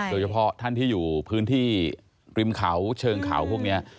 โดยเฉพาะท่านที่อยู่พื้นที่ริมเขาเชิงเขาพวกนี้